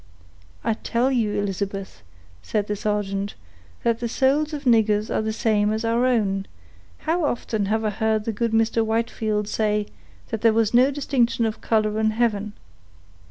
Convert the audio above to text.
"I tell you, Elizabeth," said the sergeant, "that the souls of niggers are the same as our own; how often have I heard the good Mr. Whitefield say that there was no distinction of color in heaven.